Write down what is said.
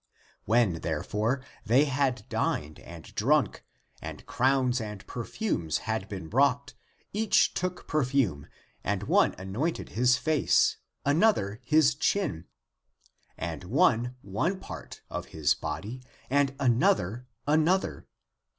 When, therefore, they had dined and drunk, and crowns and perfumes had been brought, each took perfume, and one anointed his face, another his chin, and one one part of his body, and another another.